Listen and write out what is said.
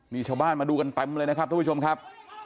มีชาวบ้านมาดูกันเต็มเลยนะครับทุกผู้ชมครับ